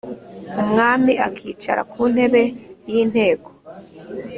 umwami akicara ku ntébe y íinteko